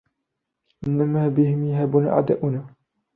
إنَّمَا بِهِمْ يَهَابُنَا أَعْدَاؤُنَا